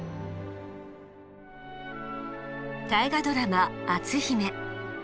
大河ドラマ「篤姫」。